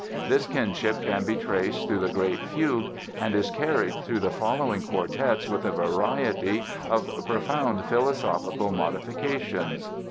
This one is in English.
This kinship can be traced through the Great Fugue and is carried through the following quartets with a variety of profound philosophical modifications.